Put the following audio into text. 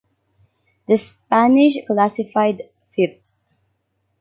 The Spanish classified fifth.